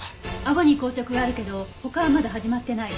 あごに硬直があるけど他はまだ始まってない。